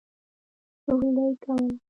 سورلي کوله.